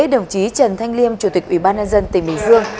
đồng chí trần thanh liêm chủ tịch ủy ban nhân dân tỉnh bình dương